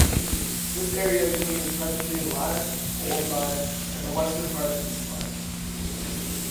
This area included present-day Lyme, Old Lyme, and the western part of East Lyme.